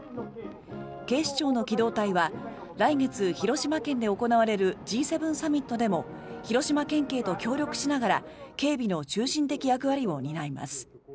警視庁の機動隊は来月広島県で行われるＧ７サミットでも広島県警と協力しながら警備の中心的役割を担います。